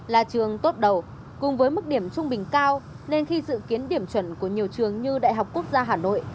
là trường tốt đầu cùng với mức điểm trung bình cao nên khi dự kiến điểm chuẩn của nhiều trường như đại học quốc gia hà nội